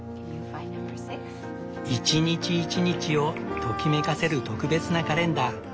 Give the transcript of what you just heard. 一日一日をときめかせる特別なカレンダー。